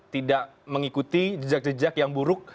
tidak mengikuti jejak jejak yang buruk